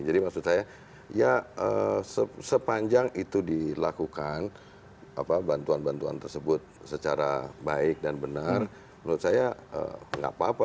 maksud saya ya sepanjang itu dilakukan bantuan bantuan tersebut secara baik dan benar menurut saya nggak apa apa